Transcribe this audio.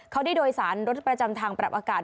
เขาได้โดยสารรถประจำทางปรับอากาศ